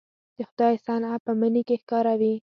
د خدای صنع په مني کې ښکاره وي